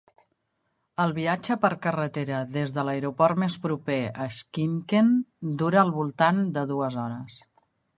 El viatge per carretera des de l'aeroport més proper a Shymkent dura al voltant de dues hores.